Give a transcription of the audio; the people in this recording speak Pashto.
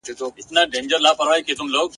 شېبه وروسته دی خزان وای !.